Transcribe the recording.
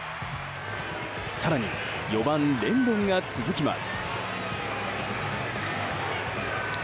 更に４番、レンドンが続きます。